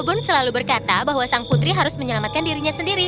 kebun selalu berkata bahwa sang putri harus menyelamatkan dirinya sendiri